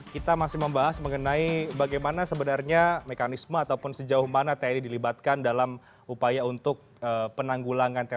kita masih membahas mengenai bagaimana sebenarnya mekanisme ataupun sejauh mana tni dilibatkan dalam upaya untuk penanggulangan terorisme